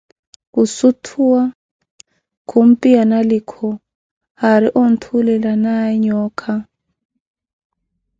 Khusuthuwa, khumpiyana na liikho aari wunttulelanaawe yooca.